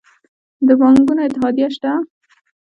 د بانکونو اتحادیه شته؟